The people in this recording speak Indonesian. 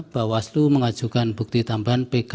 pak waslu mengajukan bukti tambahan pk satu a pk dua a